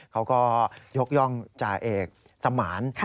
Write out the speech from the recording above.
เขาก็ยกย่องจ่าเอกสมาน